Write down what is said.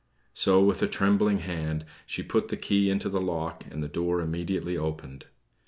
So, with a trembling hand, she put the key into the lock, and the door immediately opened.